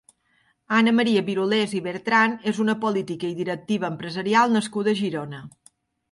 Anna Maria Birulés i Bertran és una política i directiva empresarial nascuda a Girona.